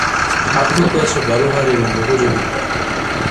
পার্থক্য আছে ব্যবহার এবং উপযোগিতায়।